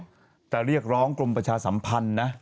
นี่แหละครับก็จะเรียกร้องกรมประชาสัมพันธ์นะ